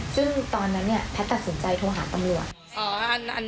ซึ่งตอนนั้นแพทย์ตัดสินใจโทรหากำลัง